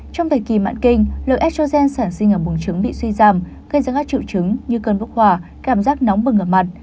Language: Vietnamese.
trong thời kỳ mạn kinh lượng estrogen sản sinh ở bùng trứng bị suy giảm gây ra các triệu chứng như cơn bốc hỏa cảm giác nóng bừng ở mặt